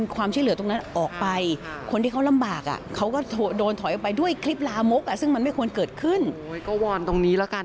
เกิดขึ้นก็วัวนตรงนี้ละกันนะค่ะ